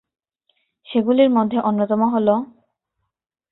সেগুলির মধ্যে অন্যতম হল-